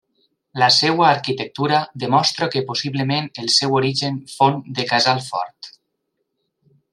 La seva arquitectura demostra que possiblement el seu origen fou de casal fort.